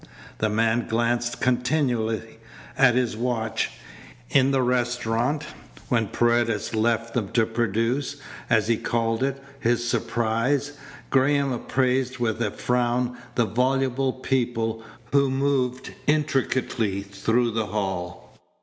The man glanced continually at his watch. In the restaurant, when Paredes left them to produce, as he called it, his surprise, Graham appraised with a frown the voluble people who moved intricately through the hall.